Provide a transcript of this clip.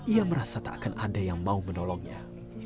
ia merasa tak akan ada yang mau menolongnya